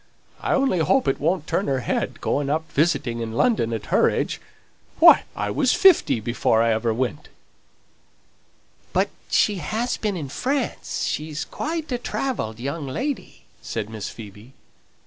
I only hope it won't turn her head; going up visiting in London at her age. Why, I was fifty before ever I went!" "But she has been in France; she's quite a travelled young lady," said Miss Phoebe.